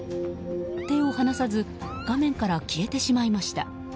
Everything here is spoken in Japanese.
手を離さず画面から消えてしまいました。